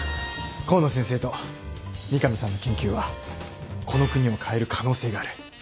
河野先生と三上さんの研究はこの国を変える可能性がある。